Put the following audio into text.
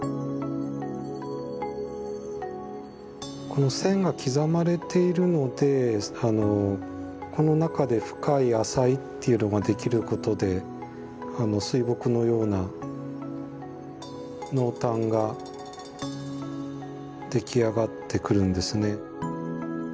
この線が刻まれているのでこの中で深い浅いっていうのができることで水墨のような濃淡が出来上がってくるんですね。